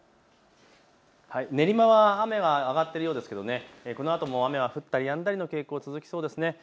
練馬は雨は上がっているようですが、このあとも雨が降ったりやんだりの天気が続きそうです。